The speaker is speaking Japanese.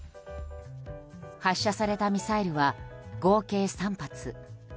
発射されたミサイルは合計３発。